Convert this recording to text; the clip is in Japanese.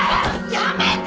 やめて！